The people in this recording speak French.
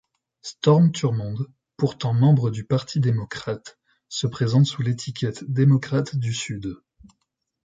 Strom Thurmond, pourtant membre du Parti démocrate se présente sous l'étiquette démocrate du Sud.